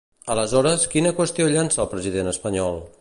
Aleshores, quina qüestió llança al president espanyol?